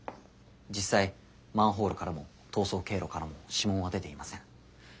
実際マンホールからも逃走経路からも指紋は出ていません。